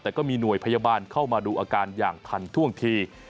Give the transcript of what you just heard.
แต่ก็มีหน่วยพยาบาลเข้ามาดูอาการอย่างทันท่วงที